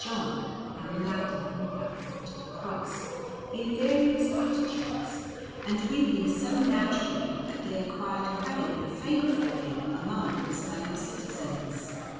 John, and the Magdalene at the foot of the Cross, in various attitudes, and weeping so naturally, that they acquired credit and fame for him among his fellow citizens.